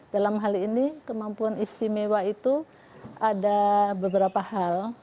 dalam hal ini kemampuan istimewa itu ada beberapa hal